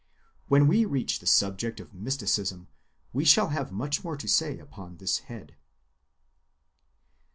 When we reach the subject of mysticism, we shall have much more to say upon this head.